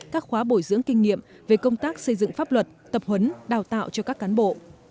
các khóa bồi dưỡng kinh nghiệm về công tác xây dựng pháp luật tập huấn đào tạo cho các cán bộ